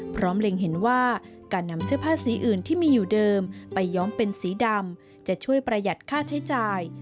เล็งเห็นว่าการนำเสื้อผ้าสีอื่นที่มีอยู่เดิมไปย้อมเป็นสีดำจะช่วยประหยัดค่าใช้จ่าย